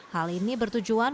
hal ini bertujuan